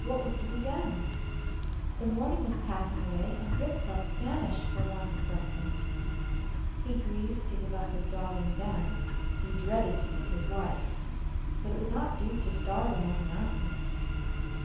What was to be done? The morning was passing away, and Rip felt famished for want of his breakfast. He grieved to give up his dog and gun; he dreaded to meet his wife; but it would not do to starve among the mountains.